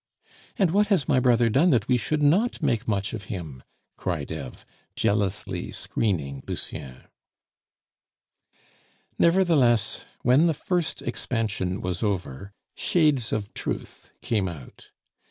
"And what has my brother done that we should not make much of him?" cried Eve, jealously screening Lucien. Nevertheless, when the first expansion was over, shades of truth came out.